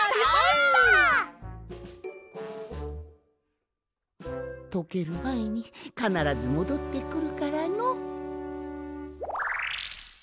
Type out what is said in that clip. やりました！とけるまえにかならずもどってくるからの。